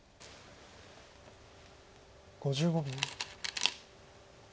５５秒。